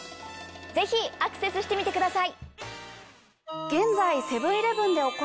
ぜひアクセスしてみてください！